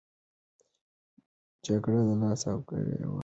جګړه لاس او ګریوان کېده.